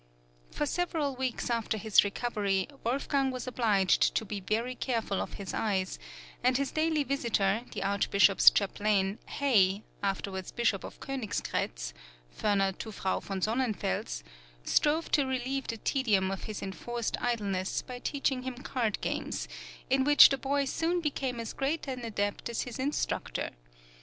For several weeks after his recovery, Wolfgang was obliged to be very careful of his eyes, and his daily visitor, the Archbishop's chaplain, Hay, afterwards Bishop of Konigsgràz (brother to Frau von Sonnenfels), strove to relieve the tedium of his enforced idleness by teaching him card games, in which the boy soon became as great an adept as his instructor.